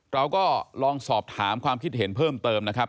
เราก็ลองสอบถามความคิดเห็นเพิ่มเติมนะครับ